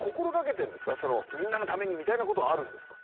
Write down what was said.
みんなのためにみたいなことはあるんですか？